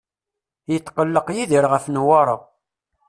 Yetqelleq Yidir ɣef Newwara.